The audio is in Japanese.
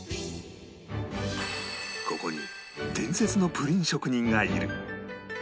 ここに伝説のプリン職人がいる